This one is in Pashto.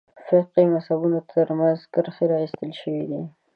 فقهي مذهبونو تر منځ کرښې راایستل شوې دي.